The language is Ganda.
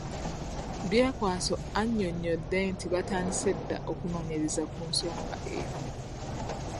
Byekwaso annyonnyodde nti baatandise dda okunoonyereza ku nsonga eno .